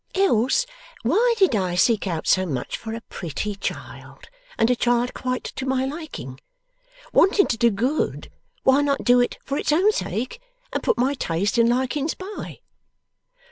Else why did I seek out so much for a pretty child, and a child quite to my liking? Wanting to do good, why not do it for its own sake, and put my tastes and likings by?